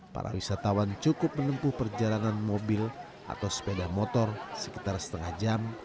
para wisatawan cukup menempuh perjalanan mobil atau sepeda motor sekitar setengah jam